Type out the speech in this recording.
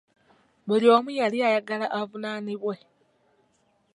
Buli omu yali ayagala avunaanibwe.